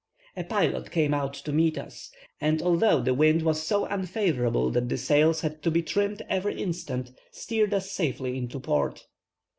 A pilot came out to meet us, and, although the wind was so unfavourable that the sails had to be trimmed every instant, steered us safely into port.